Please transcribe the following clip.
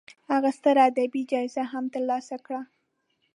هغه ستره ادبي جایزه هم تر لاسه کړه.